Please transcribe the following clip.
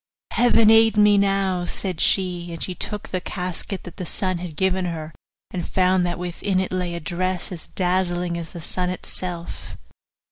'Heaven aid me now!' said she; and she took the casket that the sun had given her, and found that within it lay a dress as dazzling as the sun itself.